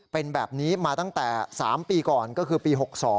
เป็นแบบนี้มาตั้งแต่๓ปีก่อนก็คือปี๖๒